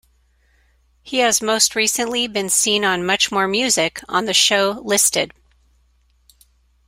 He has most recently been seen on MuchMoreMusic on the show "Listed".